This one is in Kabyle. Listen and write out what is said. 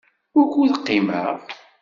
Wukud qimeɣ?